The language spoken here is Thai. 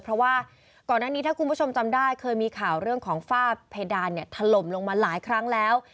เพราะว่าก่อนหน้านี้ถ้าคุณผู้ชมจำได้เคยมีข่าวเรื่องของฝ้าเพดานเนี่ยถล่มลงมาหลายครั้งแล้ว